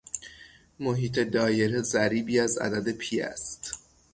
محیط دایره ضریبی از عدد پی است